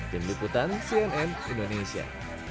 dendam liputan cnn indonesia